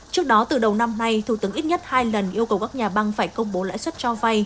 trước đó từ đầu năm nay thủ tướng ít nhất hai lần yêu cầu các nhà băng phải công bố lãi suất cho vay